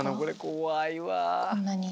怖いわ。